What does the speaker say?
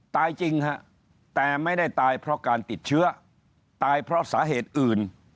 ตายจริงฮะแต่ไม่ได้ตายเพราะการติดเชื้อตายเพราะสาเหตุอื่น